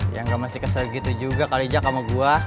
ya gak mesti kesel gitu juga kalau jak sama gua